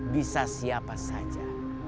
bisa siapa saja